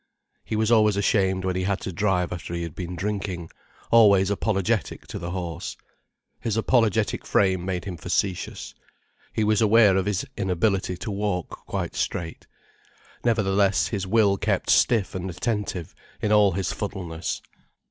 He was always ashamed when he had to drive after he had been drinking, always apologetic to the horse. His apologetic frame made him facetious. He was aware of his inability to walk quite straight. Nevertheless his will kept stiff and attentive, in all his fuddleness.